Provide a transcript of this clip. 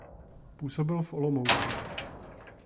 Působil v Olomouci.